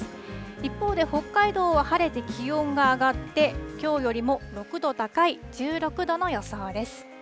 一方で北海道は晴れて気温が上がって、きょうよりも６度高い１６度の予想です。